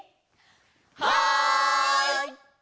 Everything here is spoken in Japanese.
はい！